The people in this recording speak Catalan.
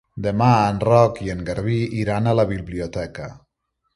Demà en Roc i en Garbí iran a la biblioteca.